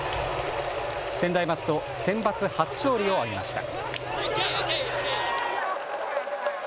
専大松戸、センバツ初勝利を挙げました。